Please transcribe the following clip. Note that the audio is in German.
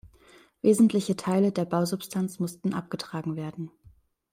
Wesentliche Teile der Bausubstanz mussten abgetragen werden.